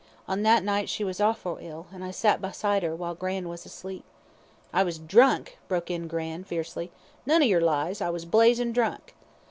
On that night she was orfil ill, an' I sat beside 'er while gran' was asleep." "I was drunk," broke in gran', fiercely, "none of yer lies; I was blazin' drunk."